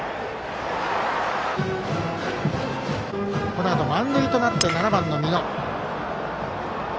このあと満塁となって７番の美濃。